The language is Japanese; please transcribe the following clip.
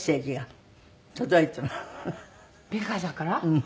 うん。